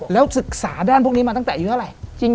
แล้วศึกษาด้านพวกนี้มาตั้งแต่อายุเท่าไหร่